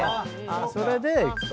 それで行くと。